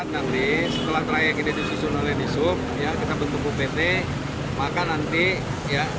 nanti setelah trayek ini disusun oleh disub ya kita bentuk upt maka nanti ya